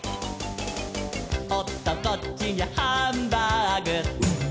「おっとこっちにゃハンバーグ」